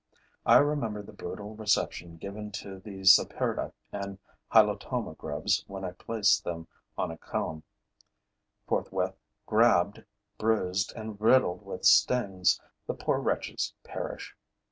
I remember the brutal reception given to the Saperda and Hylotoma grubs when I place them on a comb. Forthwith grabbed, bruised and riddled with stings, the poor wretches perish.